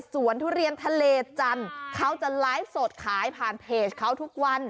ทุเรียนทะเลจันทร์เขาจะไลฟ์สดขายผ่านเพจเขาทุกวัน